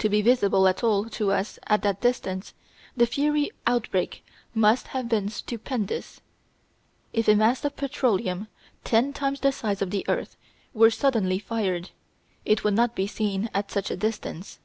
To be visible at all to us at that distance the fiery outbreak must have been stupendous. If a mass of petroleum ten times the size of the earth were suddenly fired it would not be seen at such a distance.